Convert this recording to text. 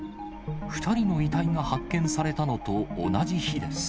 ２人の遺体が発見されたのと同じ日です。